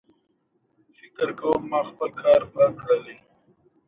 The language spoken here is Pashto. د معارف پیداوار دي.